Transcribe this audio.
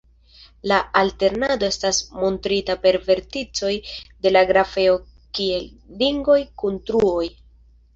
La alternado estas montrita per verticoj de la grafeo kiel ringoj kun truoj.